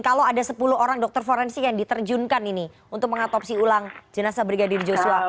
kalau ada sepuluh orang dokter forensik yang diterjunkan ini untuk mengatopsi ulang jenazah brigadir joshua